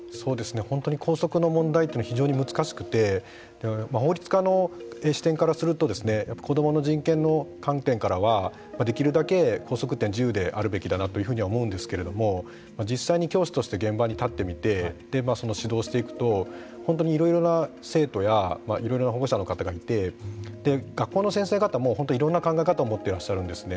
本当に校則の問題というのは非常に難しくて法律家の視点からすると子どもの人権の観点からはできるだけ校則というのは自由であるべきだなというふうに思うんですけれども実際に教師として現場に立ってみてその指導をしていくと本当にいろいろな生徒やいろいろな保護者の方がいて学校の先生方もいろんな考え方を持ってらっしゃるんですね。